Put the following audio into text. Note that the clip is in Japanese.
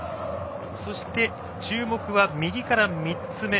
そして、注目は右から３つ目。